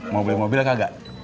mau beli mobil atau enggak